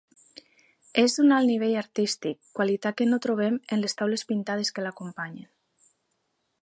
És d'un alt nivell artístic, qualitat que no trobem en les taules pintades que l'acompanyen.